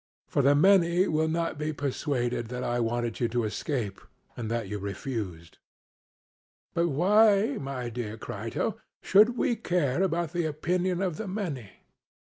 For the many will not be persuaded that I wanted you to escape, and that you refused. SOCRATES: But why, my dear Crito, should we care about the opinion of the many?